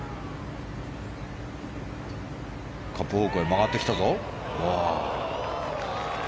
カップ方向へ回ってきた。